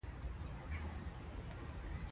بلکې دا همغه لنډه کیسه او ناول ده.